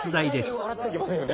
笑っちゃいけませんよね。